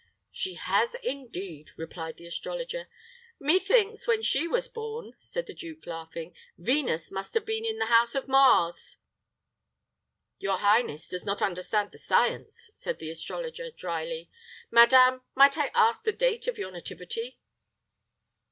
"She has, indeed," replied the astrologer. "Methinks when she was born," said the duke, laughing, "Venus must have been in the house of Mars." "Your highness does not understand the science," said the astrologer, dryly. "Madame, might I ask the date of your nativity?"